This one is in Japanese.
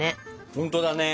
ほんとだね！